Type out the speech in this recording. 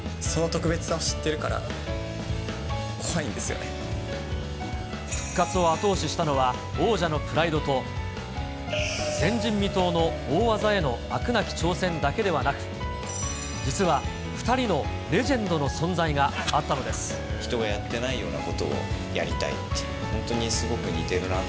その特別さを知ってるから、復活を後押ししたのは、王者のプライドと、前人未到の大技への飽くなき挑戦だけではなく、実は２人のレジェ人がやってないようなことをやりたいっていう。